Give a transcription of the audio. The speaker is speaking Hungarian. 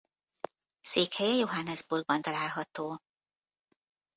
Székhelye Johannesburgban található.